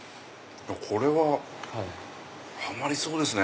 これはハマりそうですね。